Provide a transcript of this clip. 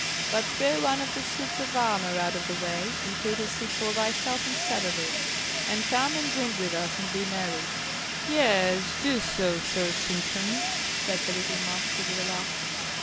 But throw one of the suits of armour out of the way, and put a seat for thyself instead of it, and come and drink with us, and be merry." "Yes, do so, Sir Sintram," said the little Master, with a laugh.